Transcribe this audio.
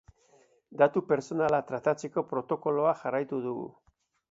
Datu pertsonalak tratatzeko protokoloa jarraitu dugu.